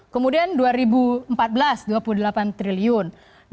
kemudian dua ribu empat belas dua puluh delapan triliun